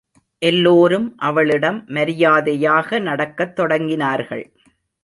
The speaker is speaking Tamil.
எல்லோரும் அவளிடம் மரியாதையாக நடக்கத் தொடங்கினார்கள்.